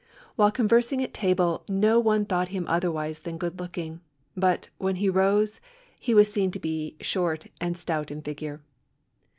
While conversing at table no one thought him otherwise than good looking; but, when he rose, he was seen to be short and stout in figure.